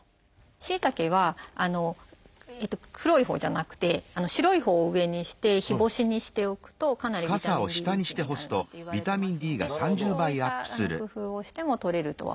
しいたけは黒いほうじゃなくて白いほうを上にして日干しにしておくとかなりビタミンＤリッチになるなんていわれてますのでそういった工夫をしてもとれるとは思います。